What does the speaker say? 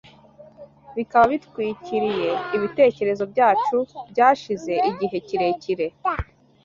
Bikaba bitwikiriye ibitekerezo byacu byashize igihe kirekire